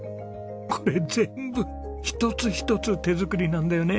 これ全部一つ一つ手作りなんだよね